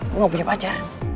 gue gak punya pacar